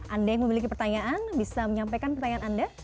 anda yang memiliki pertanyaan bisa menyampaikan pertanyaan anda